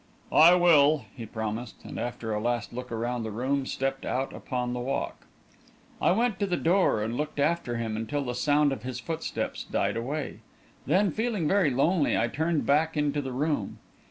"I will," he promised, and, after a last look around the room, stepped out upon the walk. I went to the door and looked after him until the sound of his footsteps died away. Then, feeling very lonely, I turned back into the room.